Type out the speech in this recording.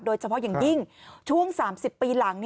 โดยเฉพาะอย่างยิ่งช่วง๓๐ปีหลัง